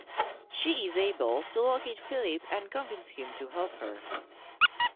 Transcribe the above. She is able to locate Philippe and convince him to help her.